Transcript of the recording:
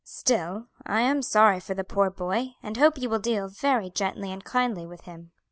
Still, I am sorry for the poor boy, and hope you will deal very gently and kindly with him."